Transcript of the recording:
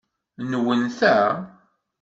Nwen ta?